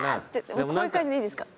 もうこういう感じでいいですか？